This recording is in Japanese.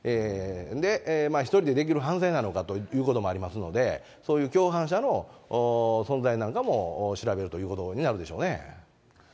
で、１人でできる犯罪なのかということもありますので、そういう共犯者の存在なんかも調べるということになるでしょうね。